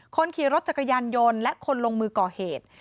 คนขี่รถจักรยานยนต์และคนลงมือก่อเหตุ